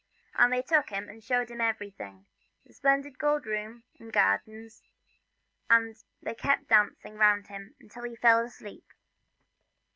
And they took him and showed him everything, the splendid gold room and gardens, and they kept dancing round him until he fell asleep.